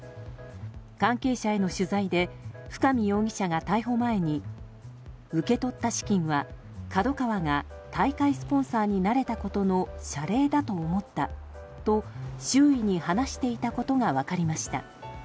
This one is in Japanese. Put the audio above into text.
関係者への取材で深見容疑者が逮捕前に受け取った資金はＫＡＤＯＫＡＷＡが大会スポンサーになれたことの謝礼だと思ったと周囲に話していたことが分かりました。